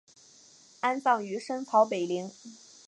安葬于深草北陵。